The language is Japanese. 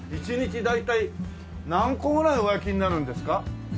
１日大体何個ぐらいお焼きになるんですか？